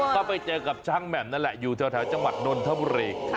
ก็ไปเจอกับช้างแหม่มนั่นแหละอยู่แถวจังหวัดนนทบุรี